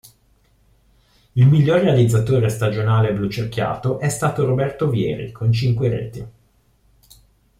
Il miglior realizzatore stagionale blucerchiato è stato Roberto Vieri con cinque reti.